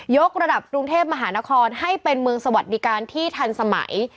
กระดับกรุงเทพมหานครให้เป็นเมืองสวัสดิการที่ทันสมัย